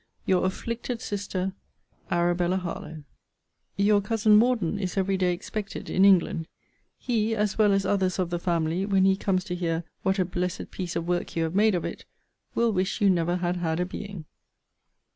Your afflicted sister, ARABELLA HARLOWE. Your cousin Morden is every day expected in England. He, as well as others of the family, when he comes to hear what a blessed piece of work you have made of it, will wish you never had had a being.